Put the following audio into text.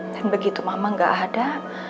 dan begitu mama gak ada